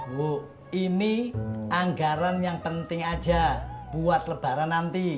bu ini anggaran yang penting aja buat lebaran nanti